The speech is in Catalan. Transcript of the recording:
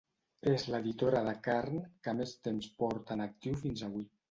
És l'editora de "Carn" que més temps porta en actiu fins avui.